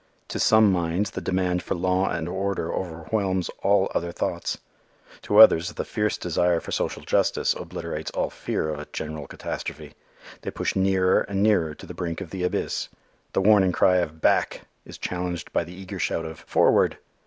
To some minds the demand for law and order overwhelms all other thoughts. To others the fierce desire for social justice obliterates all fear of a general catastrophe. They push nearer and nearer to the brink of the abyss. The warning cry of "back" is challenged by the eager shout of "forward!"